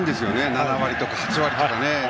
７割とか、８割とか。